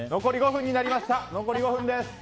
残り５分です。